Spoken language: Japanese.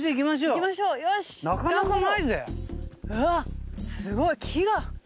うわっすごい木が。